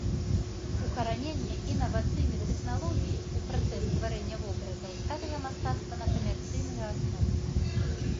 Укараненне інавацыйных тэхналогій у працэс стварэння вобразаў ставіла мастацтва на камерцыйную аснову.